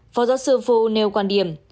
phó giáo sư phu nêu quan điểm